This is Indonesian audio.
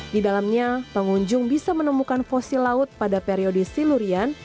di dalamnya pengunjung bisa menemukan fosil laut pada periode silurian